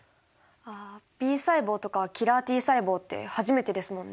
ああＢ細胞とかキラーＴ細胞って初めてですもんね。